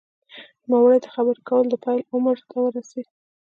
نوموړی د خبرو کولو د پیل عمر ته ورسېد